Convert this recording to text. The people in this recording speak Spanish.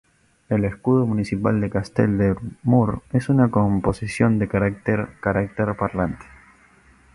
El escudo municipal de Castell de Mur es una composición de carácter carácter parlante.